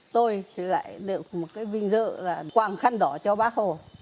tôi lại được một cái vinh dự là quàng khăn đỏ cho bác hồ